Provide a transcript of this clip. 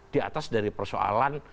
di atas dari persoalan